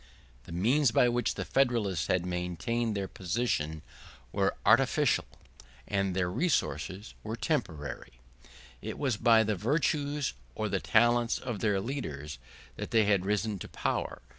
The means by which the Federalists had maintained their position were artificial, and their resources were temporary; it was by the virtues or the talents of their leaders that they had risen to power.